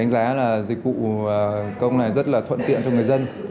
đánh giá là dịch vụ công này rất là thuận tiện cho người dân